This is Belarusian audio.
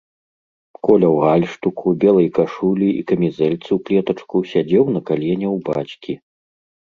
Коля ў гальштуку, белай кашулі і камізэльцы ў клетачку сядзеў на калене ў бацькі.